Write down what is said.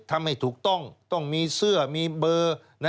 ทำให้ถูกต้องต้องมีเสื้อมีเบอร์